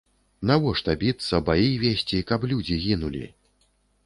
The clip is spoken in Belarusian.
Навошта біцца, баі весці, каб людзі гінулі?